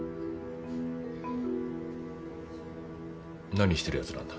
何してる奴なんだ。